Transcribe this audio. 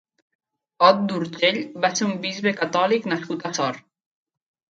Ot d'Urgell va ser un bisbe catòlic nascut a Sort.